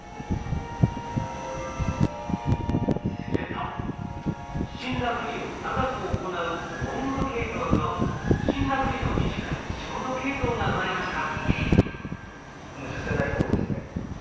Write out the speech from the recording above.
すると死んだふりを長く行うロング系統と死んだふりの短いショート系統が生まれました。